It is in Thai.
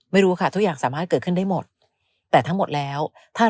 ไม่รู้ค่ะทุกอย่างสามารถเกิดขึ้นได้หมดแต่ทั้งหมดแล้วถ้า